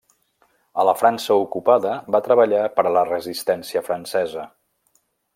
A la França ocupada, va treballar per a la Resistència francesa.